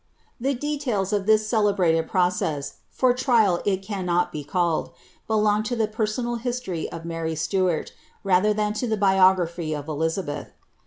The details of this celebrated process, for trial it cannot be called, belong to the personal history of Mary Stuart,^ rather than to the bio mphy of Elizabeth.